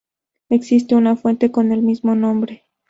Existe una fuente con el mismo nombre.